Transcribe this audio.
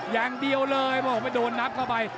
อย่างเดียวเลยบอกไม่โดนนับเข้าไป